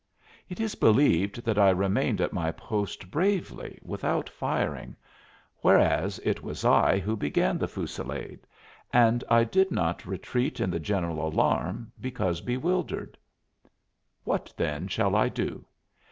It is believed that I remained at my post bravely, without firing, whereas it was I who began the fusillade, and I did not retreat in the general alarm because bewildered. What, then, shall I do?